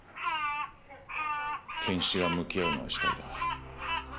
検視が向き合うのは死体だ。